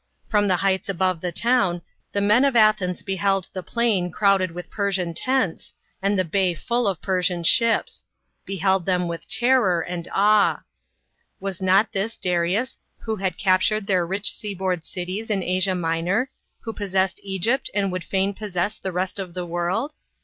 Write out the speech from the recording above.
From the heights above the town, the men of Athens beheld the plain crowded with Persian tents, and the bay full of Persian ships beheld them with terror and awe. Was not this Darius, who had captured their rich seaboard cities in Asia Minor, who pos sessed Egypt and would fain possess the rest of the world